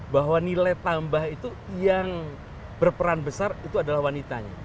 bahwa nilai tambah itu yang berperan besar itu adalah wanitanya